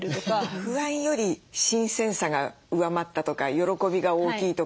不安より新鮮さが上回ったとか喜びが大きいとか。